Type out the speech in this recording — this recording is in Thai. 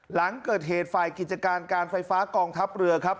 หลังเกิดเหตุฝ่ายกิจการการไฟฟ้ากองทัพเรือครับ